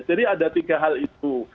jadi ada tiga hal itu